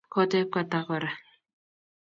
Koteb Kata kora